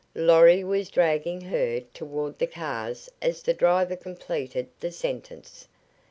Lorry was dragging her toward the cars as the driver completed the sentence.